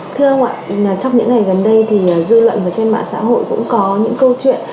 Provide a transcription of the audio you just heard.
thưa ông ạ trong những ngày gần đây thì dư luận ở trên mạng xã hội cũng có những câu chuyện